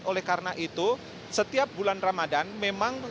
oleh karena itu setiap bulan ramadan memang